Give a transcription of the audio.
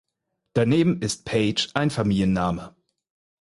Daneben ist "Paige" ein Familienname.